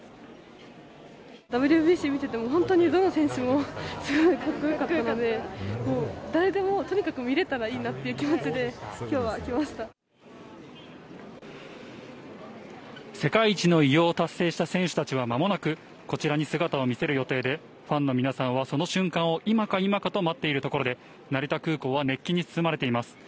ＷＢＣ見てても、本当にどの選手もすごいかっこよかったので、もう誰でも、とにかく見れたらいいなという気持ちで、きょうは来世界一の偉業を達成した選手たちはまもなく、こちらに姿を見せる予定で、ファンの皆さんはその瞬間を今か今かと待っているところで、成田空港は熱気に包まれています。